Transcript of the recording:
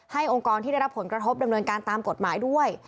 องค์กรที่ได้รับผลกระทบดำเนินการตามกฎหมายด้วย